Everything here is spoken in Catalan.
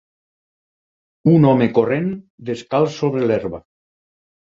Un home corrent descalç sobre l'herba